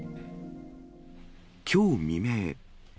きょう未明。